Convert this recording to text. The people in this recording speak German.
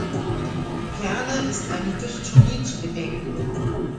Ferner ist eine Dystonie zu bedenken.